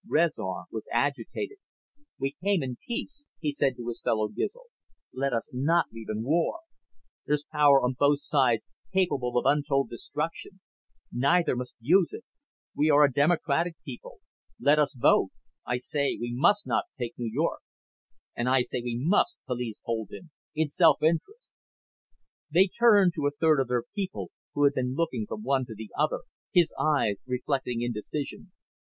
Rezar was agitated. "We came in peace," he said to his fellow Gizl. "Let us not leave in war. There's power on both sides, capable of untold destruction. Neither must use it. We are a democratic people. Let us vote. I say we must not take New York." "And I say we must," Kaliz told him, "in self interest." They turned to the third of their people, who had been looking from one to the other, his eyes reflecting indecision.